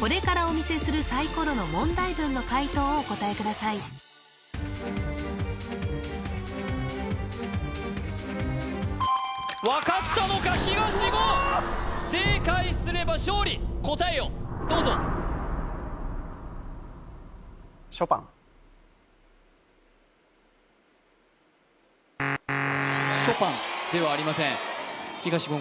これからお見せするサイコロの問題文の解答をお答えください分かったのか東言答えをどうぞあすいませんショパンではありません東言